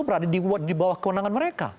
berada di bawah kewenangan mereka